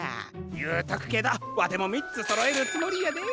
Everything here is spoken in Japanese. ゆうとくけどわてもみっつそろえるつもりやで。